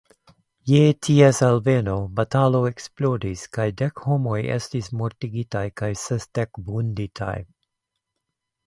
Je ties alveno batalo eksplodis kaj dek homoj estis mortigitaj kaj sesdek vunditaj.